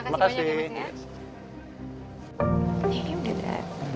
makasih banyak ya makasih ya